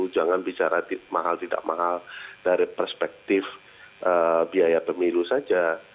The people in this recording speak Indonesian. jangan bicara mahal tidak mahal dari perspektif biaya pemilu saja